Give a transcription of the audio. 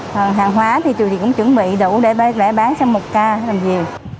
còn hàng hóa thì tuy nhiên cũng chuẩn bị đủ để bán trong một ca làm gì